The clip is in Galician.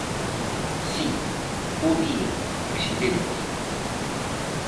Si, bo día presidente.